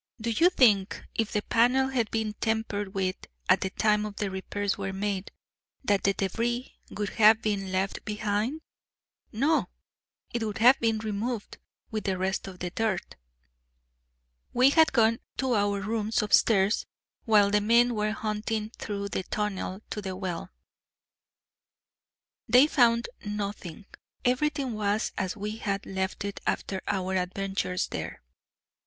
Do you think, if the panel had been tampered with at the time the repairs were made, that the débris would have been left behind? No! It would have been removed with the rest of the dirt." We had gone to our rooms upstairs while the men were hunting through the tunnel to the well. They found nothing; everything was as we had left it after our adventures there.